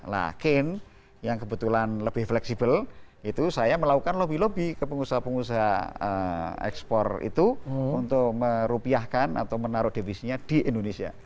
nah kane yang kebetulan lebih fleksibel itu saya melakukan lobby lobby ke pengusaha pengusaha ekspor itu untuk merupiahkan atau menaruh devisinya di indonesia